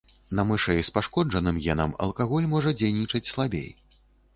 На мышэй з пашкоджаным генам алкаголь можа дзейнічаць слабей.